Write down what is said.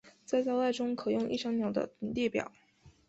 在招待中可用一张鸟的列表。